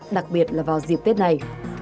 đặc biệt là vào dịp tết này